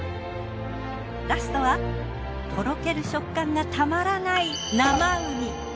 ラストはとろける食感がたまらない生ウニ。